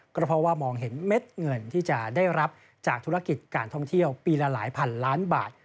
ก็เพราะว่ามองเห็นเม็ดเงินที่จะได้รับจากธุรกิจการท่องเที่ยวปีละหลายพันล้านบาท